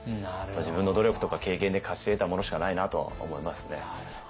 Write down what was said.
自分の努力とか経験で勝ち得たものしかないなとは思いますね。